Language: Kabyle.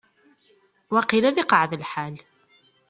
Waqil ad iqeεεed lḥal.